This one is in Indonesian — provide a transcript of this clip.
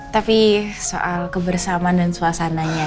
tapi soal kebersamaan dan suasananya